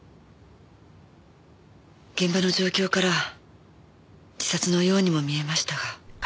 現場の状況から自殺のようにも見えましたが。